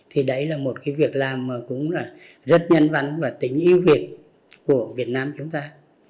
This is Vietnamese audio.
thì đấy là một cái việc làm cũng là rất nhân văn và tính yêu việt của việt nam chúng ta